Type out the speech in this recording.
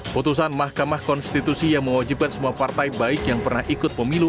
putusan mahkamah konstitusi yang mewajibkan semua partai baik yang pernah ikut pemilu